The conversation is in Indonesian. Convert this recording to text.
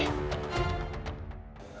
baiklah telik sandi